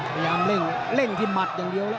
พยายามเร่งเร่งที่หมัดอย่างเดียว